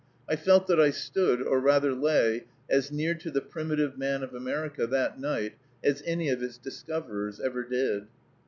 I felt that I stood, or rather lay, as near to the primitive man of America, that night, as any of its discoverers ever did.